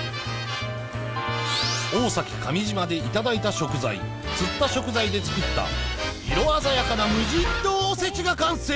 大崎上島でいただいた食材釣った食材で作った色鮮やかな無人島おせちが完成